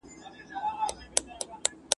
نه به دي پاېزېب هره مسرۍ کۍ شرنګېدلی وي ..